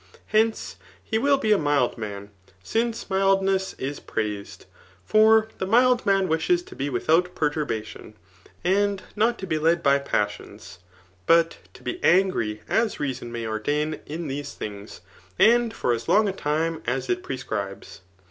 Hence, he wiU be a mild man, since mikUiess is pi^aised. For the mihl ipan wishes to be without perturbadon, and not to be led by passiim; but to be angi^ as reason msqr ordain in tbest^ things and for as long ^ time as it prescribes.